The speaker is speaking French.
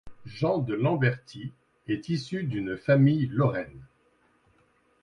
Jean de Lambertye est issu d’une famille lorraine.